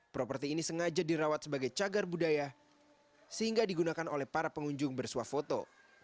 properti ini sengaja dirawat sebagai cagar budaya sehingga digunakan oleh para pengunjung bersuah foto